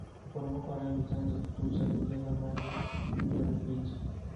maporomoko hayo ni chanzo kikuu cha kujaza maji mto rufiji